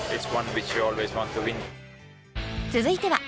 続いては